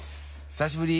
久しぶり。